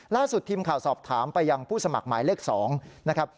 ล่าสุดทีมข่าวสอบถามไปยังผู้สมัครหมายเลข๒นะครับ